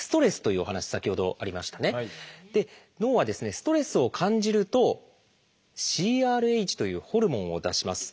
ストレスを感じると「ＣＲＨ」というホルモンを出します。